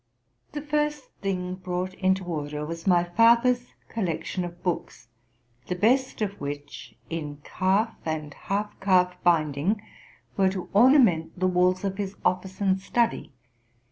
The first thing brought into order was my father's collec tion of books, the best of which, in calf and half calf bind ing, were to ornament the walls of his office and study.